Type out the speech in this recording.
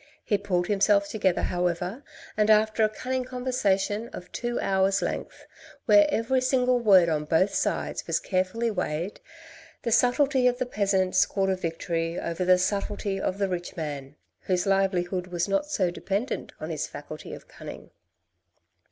He pulled himself together however and after a cunning conversation of two hours' length, where every single word on both sides was carefully weighed, the subtlety of the peasant scored a victory over the subtlety of the rich man, whose livelihood was not so dependent on his faculty of cunning.